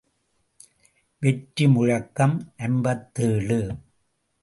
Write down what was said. வெற்றி முழக்கம் ஐம்பத்தேழு.